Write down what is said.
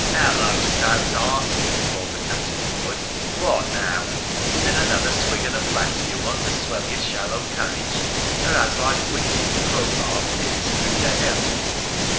' Hullo ! stoutheart,' called the captain's voice, ' what now ? Is it another swig of the flask you want to swell your shallow courage, or has thy puissant crowbar pierced through to hell